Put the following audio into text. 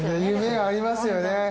夢ありますよね。